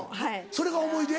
それが思い出？